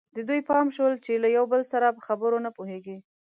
د دوی پام شول چې له یو بل سره په خبرو نه پوهېږي.